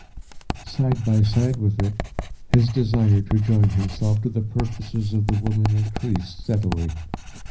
Side by side with it, his desire to join himself to the purposes of the woman increased steadily.